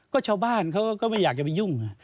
ก็ชาวบ้านเขาก็ไม่อยากจะไปยุ่ง